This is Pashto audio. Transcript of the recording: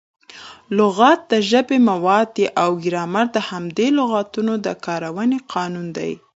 لغت د ژبي مواد دي او ګرامر د همدې لغاتو د کاروني قانون دئ.